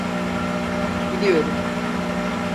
BiIiyorum.